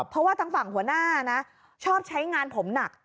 เพราะว่าทางฝั่งหัวหน้านะชอบใช้งานผมหนัก